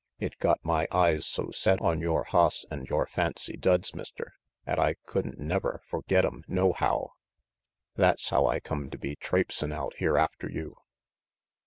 It got my eyes so set on yore hoss and yore funny duds, Mister, 'at I could'n never forget 'em nohow. That's how I come to be traipsin' out here after you."